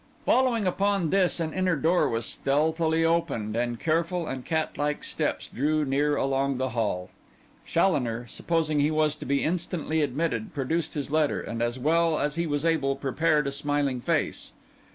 Following upon this an inner door was stealthily opened, and careful and catlike steps drew near along the hall. Challoner, supposing he was to be instantly admitted, produced his letter, and, as well as he was able, prepared a smiling face.